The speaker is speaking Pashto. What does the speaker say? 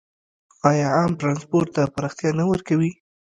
آیا عام ټرانسپورټ ته پراختیا نه ورکوي؟